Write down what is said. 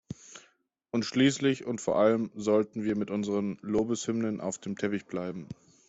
Und schließlich und vor allem sollten wir mit unseren Lobeshymnen auf dem Teppich bleiben.